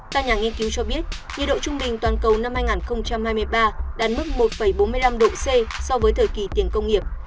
các nhà nghiên cứu cho biết nhiệt độ trung bình toàn cầu năm hai nghìn hai mươi ba đạt mức một bốn mươi năm độ c so với thời kỳ tiền công nghiệp